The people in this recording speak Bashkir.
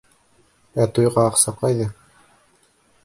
Ә туйға аҡса ҡайҙа?